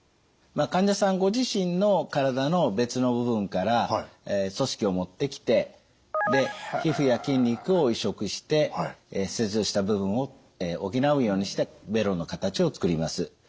患者さんご自身の体の別の部分から組織を持ってきてで皮膚や筋肉を移植して切除した部分を補うようにしてベロの形を作ります。